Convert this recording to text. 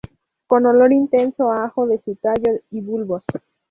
Con un olor intenso a ajo de su tallo y bulbos.